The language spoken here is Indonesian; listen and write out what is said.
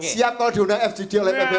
siap pak diundang fgd oleh ppr